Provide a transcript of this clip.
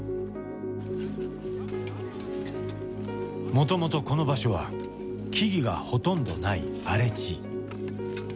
もともとこの場所は木々がほとんどない荒れ地。